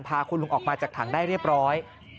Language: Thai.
พาคุณลุงออกมาจากถังได้เรียบร้อย